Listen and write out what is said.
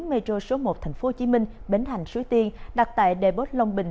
metro số một tp hcm bến hành suối tiên đặt tại đề bốt long bình